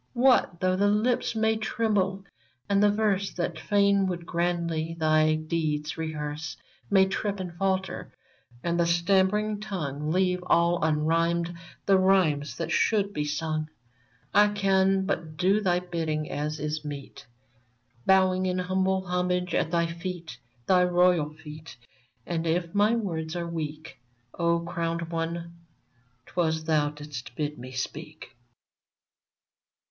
What though the lips may tremble, and the verse That fain would grandly thy grand deeds rehearse May trip and falter, and the stammering tongue Leave all unrhymed the rhymes that should be sung ? 1 can but do thy bidding, as is meet, Bowing in humble homage at thy feet — Thy royal feet — and if my words are weak, O crowned One, 'twas thou didst bid me speak